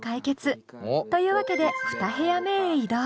というわけで２部屋目へ移動。